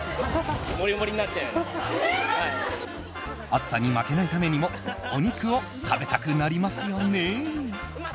暑さに負けないためにもお肉を食べたくなりますよね。